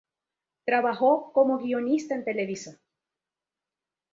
Trabajó como guionista en Televisa.